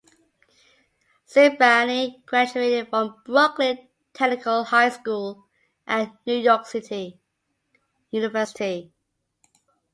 Cipriani graduated from Brooklyn Technical High School and New York University.